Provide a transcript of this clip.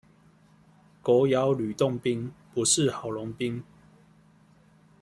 狗咬呂洞賓，不識郝龍斌